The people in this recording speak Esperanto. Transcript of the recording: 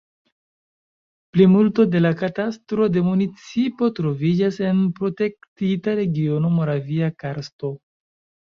Plimulto de la katastro de municipo troviĝas en protektita regiono Moravia karsto.